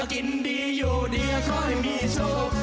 กินดีอยู่ดีขอให้มีโชค